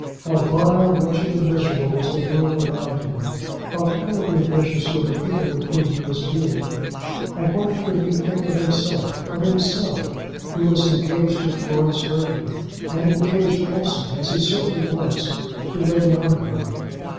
How vile, wretched and miserable was the world around him! How terribly vicious were the people with whom he was dealing! And what could he think of himself, of himself, who was engaged to Florence Burton, and engaged also, as he certainly was, to Lady Ongar?